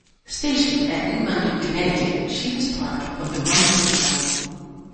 Stationed at New London, Connecticut, she was part of the Rum Patrol.